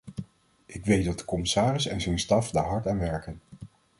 Ik weet dat de commissaris en zijn staf daar hard aan werken.